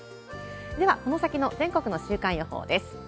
ではこの先の全国の週間予報です。